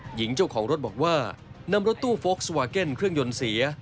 หญิงเจ้าของรถบอกว่านำรถตู้โฟลกสวาเก็นเครื่องยนต์เสีย